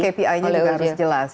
kpi nya juga harus jelas